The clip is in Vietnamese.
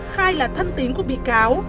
khai là thân tín của bị cáo